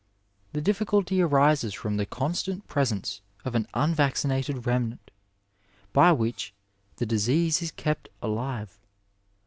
The difficulty arises from the constant presence of an unvaccinated remnant, by which the disease is kept alive.